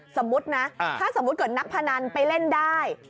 สมมุตินะถ้าสมมุติเกิดนักพนันไปเล่นได้